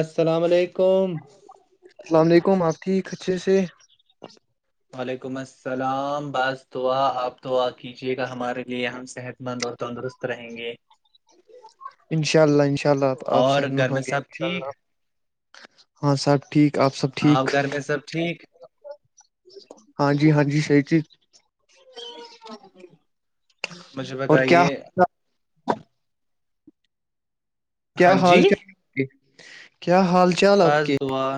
السلام علیکم اللام علیکم آپ ٹھیک اچھے سے وعلیکم السلام بس دعا آپ دعا کیجیے گا ہمارے لیے ہم صحت مند اور تندرست رہیں گے انشاء اللہ انشاءلہ آپ اور سحت گھر مند ہوں میں گے سب انشاء اللہ ہاں سٹ آؤ گھر میں سب ٹھیک ہاں جی ہاں جی شی جی مجھے اور کیا بتائیے کیا ہاں حال جی چال کیا حال چال آپ بس کے دعا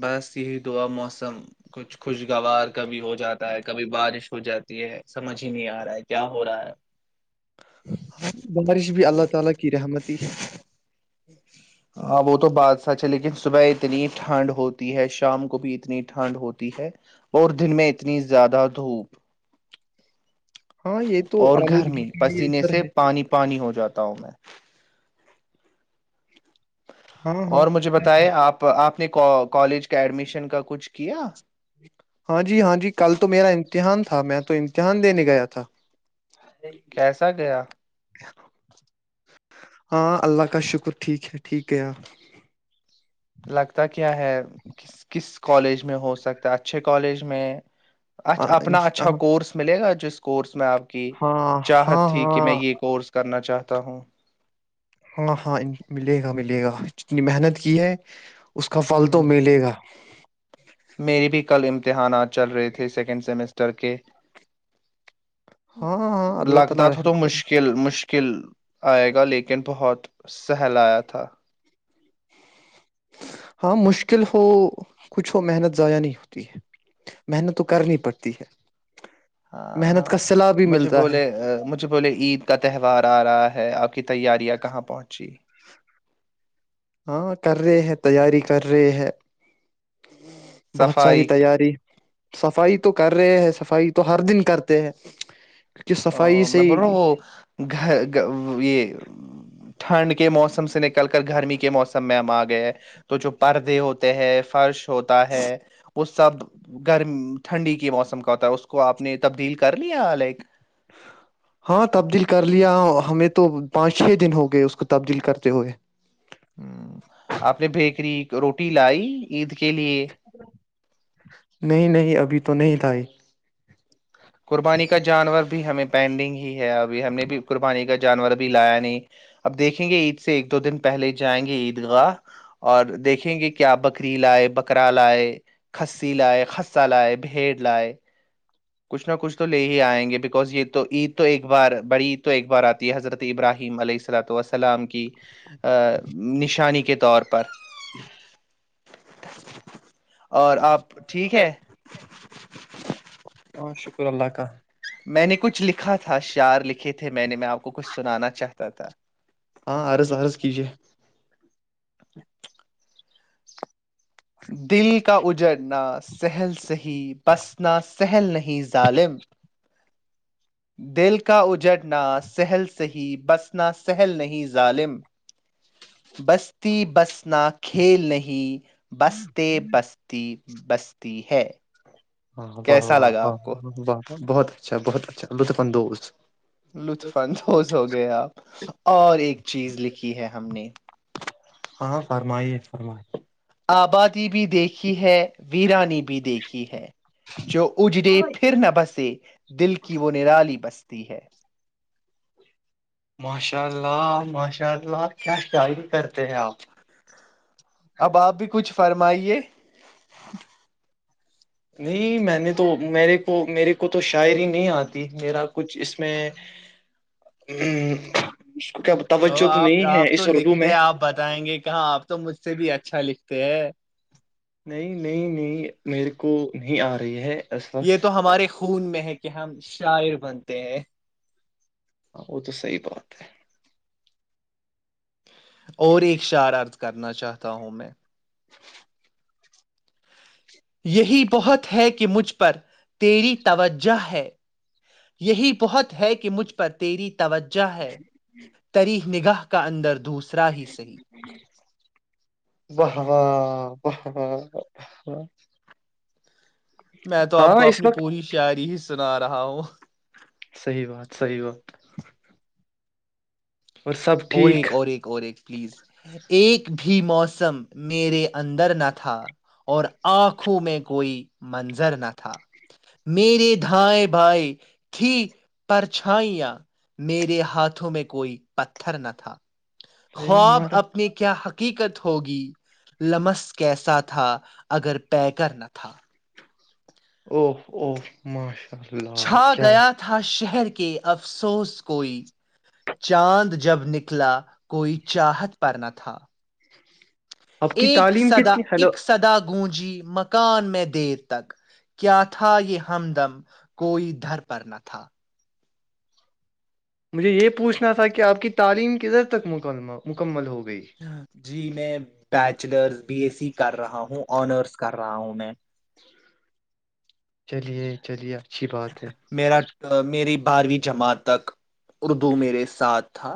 بس یہی دعا موسم کچھ خوشگوار کبھی ہو جاتا ہے کبھی بارش ہو جاتی ہے سمجھ ہی نہیں آ رہا ہے کیا ہو رہا ہے ہاں بارش بھی اللہ تعالی کی رحمتی ہے ہ ہاں وہ تو بات سچ ہے لیکن صبح اتنی ٹھنڈ ہوتی ہے شام کو بھی اتنی ٹھنڈ ہوتی ہے اور دن میں اتنی زیادہ دھوپ ہاں یہ تو اور آلودگی گرمی کے لیے پسینے اثر سے ہے پانی پانی ہو جاتا ہوں میں ہاں ہاں اور مجھے بتائے آپ آپ نے کالج کا ایڈمیشن کا کچھ کیا ہاں جی ہاں جی کل تو میرا امتحان تھا میں تو امتحان دینے گیا تھا کیسا گیا ہاں اللہ کا شکر ٹھیک ہے ٹھیک ہے ار لگتا کہ کیا ہے کس کس کالج میں ہو سکتا ہے اچھے کالج میں اچھ اپنا انش- اچھا ہاں کورس ملے گا جس کورس میں آپ کی چاہت ہاں تھی کہ میں ہاں یہ کورس کرنا چاہتا ہوں ہاں ہاں ملے گا ملے گا جتنی محنت کی ہے اس کا پھل تو ہ ملے گا اتحانات چل رہے تھے سیکنڈ سمسٹر اتر کے ہاں ہاں اللہ لگتا تعالی تھاو رحم تو کرے مشکل مش کل آئے گا لیکن بہت سہلایا تھا ہاں مشکل ہو کچھ ہو محنت ضائع نہیں ہوتی ہے محنت تو کرنی پڑتی ہے ہاں محنت ہاں کا صلا بھی مجھے ملتا ہے بولے مجھے بولے عید کا تہوار آ رہا ہے ہے آپ کی تیاریاں کہاں پہنچی ہاں کر رہے ہیں تیاری کر رہے ہیں بہت ساری صفائی تیاری صفائی تو کر رہے ہیں صفائی تو ہر دن کرتے ہیں کیونکہ صفائی ا سے میں ہی بول رہا ہوں وہ گھر یہ ٹھنڈ کے موسم سے نکل کر گرمی کے موسم میں ہم آ گئے تو جو پردے ہوتے ہیں فرش ہوتا ہے وہ سب گرم ٹھنڈی کے موسم کا ہوتا ہے اس کو آپ نے تبدیل کر لیا لائک ہاں تبدیل کر لیا ہمیں تو پانچ چھ دن ہو گئے اس کو تبدیل کرتے ہوئے ہ آپ نے بیکری روٹی لائی عید کے لیے نہیں نہیں ابھی تو نہیں تھا ہی قربانی کا جانور بھی ہمیں پینڈنگ ہی ہے ابھی ہم نے بھی قربانی کا جانور اب لایا نہیں اب دیکھیں گے عید سے ایک دو دن پہلے جائیں گے عید گاہ اور دیکھیں گے کیا بکری لائے بکرا لائے کسی لائے خہ لائے بھیڑ لائے کچھ نہ کچھ تو لے ہی آئیں گے بکاز یہ تو عید تو ایک بار بڑی عید تو ایک بار آتی ہے حضرت ابراہیم علیہ السلاۃسلام کی نشانی کے طور پر بپر [unintelligible] [inaudible] اور آپ ٹھیک ہے ہاں شکر اللہاکا میں نے کچھ لکھا تھا شعار لکھے تھے تھے میں نے میں آپ کو کچھ سنانا چاہتا تھا ہاں عرس عرس کیجے دل کا اجرنا سہل سہیح بسنا سہل نہیں ظالم دل کا اجڑنا سہل سہی بسنا سہل نہیں ظالم بستی بست انا کھیل نہیں بستتے بستی [unintelligible] بستی ہے [unintelligible] ہ واہ کیسا واہ لگا و آپ کو و بہت اچھا بہت اچھا لو تو کندوست لطف اندوز ہو گئے آپ اور ایک چیز لکھی ہے ہم نے ہاں فرمائیے فرمائی آبادی بھی دیکھی ہے ویرانی بھی دیکھی ہے جو اجڑے پھر نہ بسے دل کی وہ نرالی بستے ت ہے [unintelligible] ماشاء اللہ ماشاء اللہ کیا شاعر کرتے ہیں آپ اب آپ بھی کچھ فرمائیے نہیں میں نے تو میرے کو میرے کو تو شاعری ہی نہیں آتی میرا کچھ اس میں ا او آپ آپ تو لکھتے میں ہیں آپ بتائیں گے کہاں آپ تو مجھ سے بھی اچھا اچھا لکھتے ہیں نہیں نہیں نہیں میرے کو نہیں آ رہی ہے اس یہ وقت تو ہمارے [unintelligible] خون میں ہے کہ ہم شاعر بنتے ہیں ہاں وہ تو صحی بات ہے اور ایک شارارت کرنا چاہتا ہوں میں یہی بہت ہے کہ کہ مجھ پر تیری توجہ ہے [inaudible] یہی بہت ہے کہ کہ مجھ پر تیری تھی توجہ ہے تری نگاہ کا اندر دوسرا ہی صحیح ہاں ہاں میں تو آپ کو اس اپنی وقت پوری شاعری ہی سنا رہا ہوں ہ صحی بات صحی بات اور سب اور ٹھیک ایک اور ایک اور ایک پلیز ایک بھی موسم میرے اندر نہ تھا اور آنکھوں میں کوئی منظر نہ تھا میری دھائ بھائی تھی پرچھائیاں میرے ہاتھوں میں کوئی پ تھھر نہ تھا ٹرین خواب مر اپنے کیا حق حقیقت ہوگی لمس کیسات تھا اگر طے کرنا تھا او او مش چھا گیا تھا شہ کے افسوس کوئی چاند جب نکلا کوئی چاہت پنا تھا آپ کی ا تعلیم سدا کتنی ہیلو اک سدا گونجی مکان میں دیر تک کیا تھا یہ ہمدم کوئی ادھر پر نہ تھا تھا مجھے یہ پوچھنا تھا کہ آپ کی تعلیم کدھر تک مکمل ہوگی جی میںچ بیچلرس بی ایس سی کر رہا ہوں آنرس کر رہا ہوں میں چلیے چلیے اچھی بات ہے میر میری بارہویں جماعت تک اردو میرے ساتھ تھا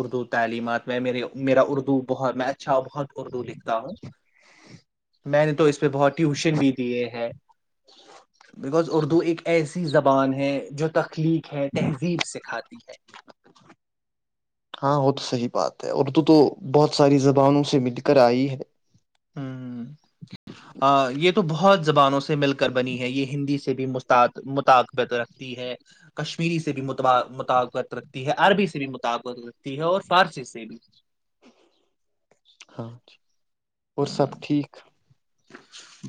اردو تعلیمات میں میرے میرا اردو بہت میں اچھا بہت اردو لکھتا ہوں میں نے تو پہ بہت ٹیوشن بھی دیے ہیں بکاز اردو ایک ایسی زبان ہے جو تخلیق ہے تہذیب سکھاتی ہے ہاں وہ تو صحیح بات ہے اردو تو بہت ساری زبانوں سے مل کر آئی ہے ہ آ، یہ تو بہت زبانوں سے مل کر بنی ہے یہ ہندی سے بھی م مطقبت رکھتی ہے کشمیری سے بھی مطقبت رکھتی ہے عربی سے بھی مطقبت رکھتی ہے اور فارسی سے بھی ہاں اور سب ہوں، ٹھیک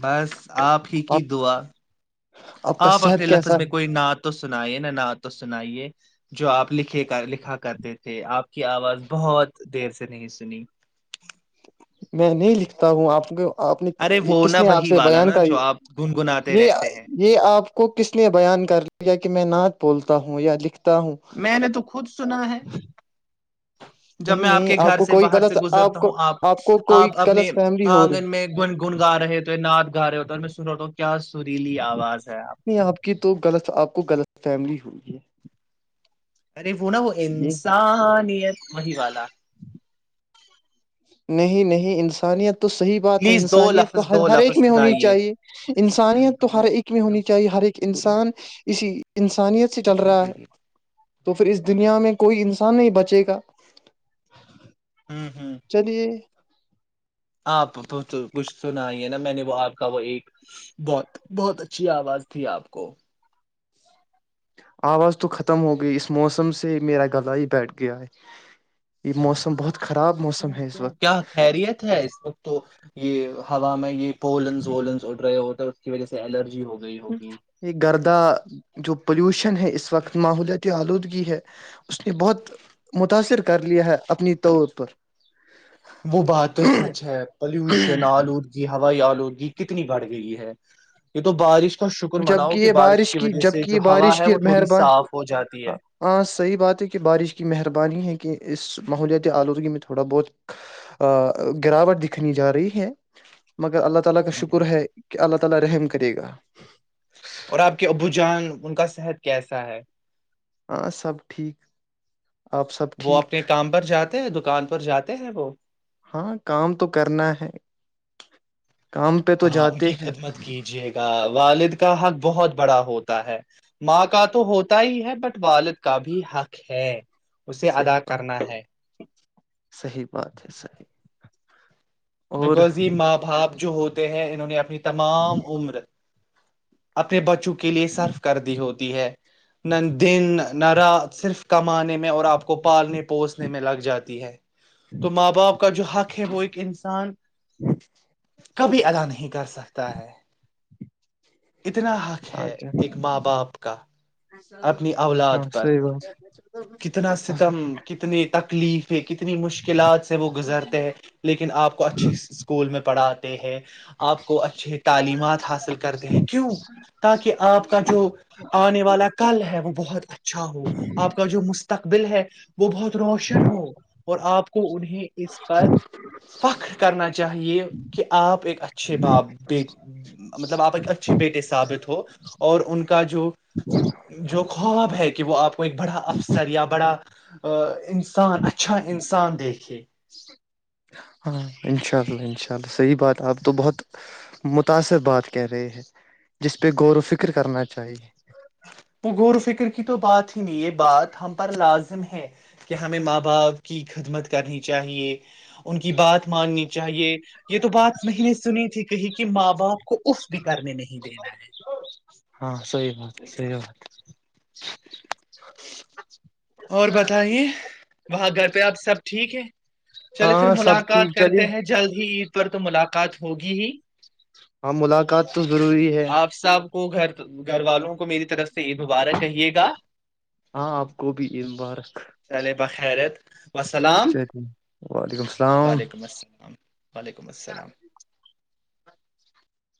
بس آپ ہی کی آپ دعا کا آپ صحت اپنے کیسا لفظ میں ہے کوئی نع تو سنائیے نا نہ تو سنائیے جو آپ لکھے لکھا کرتے تھے آپ کی آواز بہت دیر سے نہیں سنی میں نہیں لکھتا ہوں آپ کو آپ نے ارے یہ وہ کس نہ نے آپ وہی سے والا بیان نا کر جو آپ گنگناتے یہ رہتے ہیں یہ آپ کو کس نے بیان کر کہ میں نعت بولتا ہوں یا لکھتا ہوں میں نے تو خود سنا ہے جب نہیں میں آپ نہیں کے گھر کو سے کوئی باہر سے غلط گزرتا کو ہوں آپ کو کوئی آپ غلط اپنے فیملی ہو رہی آنگن ہے، میں گنگن گا رہے ہو نعاد گا رہے ہوتے اور میں سن رہتا ہوں کیا سریلی آواز ہے نہیں آپ کی تو غلط آپ کو غلط فیملی ہوگی ہے ر وہو ن وہ یہ انسا نت وہی والا نہیں نہیں انسانیت تو صحی بات ہے پلیز دو انسانیت تو لفظ دو ہر ایک لفظ میں ہونی سنائیے چاہیے انسانیت تو ہر ایک میں ہونی ہوں چاہیے ہر ایک انسان اسی انسانیت سے چل رہا ہے تو پھر اس دنیا میں کوئی انسان نہیں بچے گا ہوں چلیے آپ تو کچھ سنا ہی ہے نا میں نے وہ آپ کا وہ ایک بہت بہت اچھی آواز تھی آپ کو آواز تو ختم ہو گئی اس موسم سے میرا گلا ہی بیٹھ گیا ہے یہ موسم بہت خراب کیوں موسم ہے اس کیوں وقت کیا خیریت ہے اس وقت تو یہ ہوا میں یہ پولنس ونس اور ڈ رہے اور اس کی وجہ سے الرجی ہوگی گئی یہ گردہ جو پولیوشن ہے اس وقت ماحولیاتی آلودگی ہے اس نے بہت متاثر کر لیا ہے اپنی طور پر وہ بات تو سچ ہے پلوشن آل اود کیی ہو ائی آلودگی کتنی بڑھ گئی ہے یہ تو بارش کا شکر جبک مناؤ کہ یہ بارش کی وجہ سے جبک جو یہ ہوا بارش ہے کی وہ تھوڑی صاف ہو جاتی ہے مہربانی ہاں صحیح بات ہے کہ بارش کی مہربانی ہے اس ماحولیاتی آلودگی میں تھوڑا بہت گراوٹ دکھنی جا رہی ہے مگر اللہ ت تع کا ہوں۔ شکر ہے کہ اللہ تالی رحم کرے گا [inaudible] اور آپ کے ابو جان ان کا صحت کیسا ہے ہاں سب ٹھیک آپ سب وہ ٹھیک اپنے کام پر جاتے ہیں دکان پ پر جاتے ہیں وہ ہاں کام تو کرنا ہے کام پہ تو ہاں ان جاتے کی ہیں خدمت کیجیے گا والد کا حق بہت بڑا ہوتا ہے ماں کا تو ہوتا ہی ہے بٹ والد کا بھی حق ہے اسے صحیح ادا بات کرنا ہے صحیح بات ہے صحیح اور بکوز ہی ماں باپ [unintelligible] جو ہوتے ہیں انہوں نے اپنی تمام عمر [unintelligible] اپنے بچوں کے لیے صرف کر دی ہوتی ہے نہ دن نہ رات صرف کمانے میں اور آپ کو پالنے پوسنے میں لگ جاتی ہے تو ماں باپ کا جو حق بو [inaudible] سان [inaudible] اچھا [inaudible] کبھی ادا نہیں کر سک سکتا ہے [inaudible] اتنا حق ہے اچھا ایک ماں باپ کا اپنی اولاد ہاں پر صحیح بات کتنا ستم کتنی تک پلیز [inaudible] کتنی مشکلات سے وہ گزرتے ہیں لیکن آپ کو اچھی اسکول میں پڑھات ہیں [inaudible] آپ کو اچھے تعلیمات حاصل کرتے ہیں کیوں تاکہ آپ کا جو آنے والا ہے وہ بہت اچھا ہو آپ کا جو مستقبل بل ہے [unintelligible] وہ بہت روشن ہو اور آپ کو انہیں اس پر فخر کرنا چاہیے کہ آپ ایک اچھے باپ مطلب آپ ایک اچھے بیٹے ثابت ہو اور ان کا جو جو خواب ہے کہ وہ آپ کو ایک بڑا افسر یا بڑا آ [inaudible] انسان اچھا انسان دیکھے چلو صحیح بات آپ تو بہت متاثر بات کہہ رہے ہیں جس پہ غور و فکر کرنا چاہیے پغور و فکر کی تو بات ہی نہیں یہ بات ہم پر لازم ہے کہ ہمیں ماں باپ کی خدمت کرنی چاہیے ان کی بات ماننی چاہیے یہ تو بات نہیں نے سنی تھی کہیں کہ ماں باپ کو اف بھی کرنے نہیں دینا ہے ہاں سحی بات ہے سی بات ہے اور بتائیے وہاں گھر پہ آپ سب ٹھیک ہے چلے پھر ہاں سب ملاقات ٹھیک چلیے کرتے ہیں جلد ہیید پر تو ملاقات ہوگی ہی ہاں ملاقات تو ضروری ہے آپ سب کو گھر گھر والوں کو میری طرف سے سے یہ دوبارہ کہیے گا ہاں آپ کو بھی عید مبارک چلے بخیرت والسلام چلیے وعلیکم السلام وعلیکم السلام وعلیکم السلام